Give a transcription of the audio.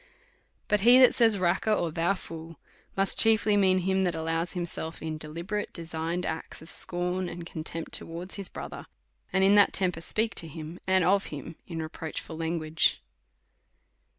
Cut he that says, Raca, or Thou fool, must chiefly mean him that allows himself in deliberate, de signed acts of scorn and contempt towards his brother,, and in that temper speaks to him, and of him, in re proachful language.